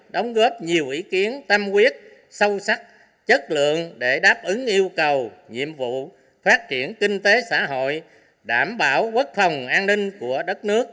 đóng góp nhiều ý kiến tâm quyết sâu sắc chất lượng để đáp ứng yêu cầu nhiệm vụ phát triển kinh tế xã hội đảm bảo quốc phòng an ninh của đất nước